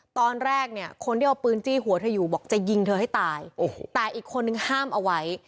ตอนแรกเนี่ยคนที่เอาปืนจี้หัวเธออยู่บอกจะยิงเธอให้ตายโอ้โหแต่อีกคนนึงห้ามเอาไว้